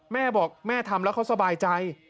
แม่บอกแม่ทำแล้วเขาสบายใจ